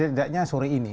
setidaknya sore ini